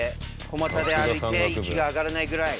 小股で歩いて息が上がらないぐらい。